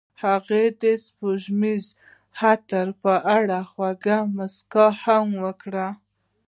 هغې د سپوږمیز عطر په اړه خوږه موسکا هم وکړه.